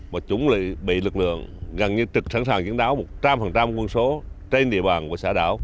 và chuẩn bị lực lượng gần như trực sẵn sàng chiến đấu một trăm linh quân số trên địa bàn của xã đảo